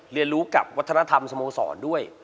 เรียนรู้กับวัฒนธรรมสโมสรด้วย